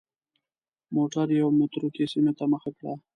موټر یوې متروکې سیمې ته مخه کړه.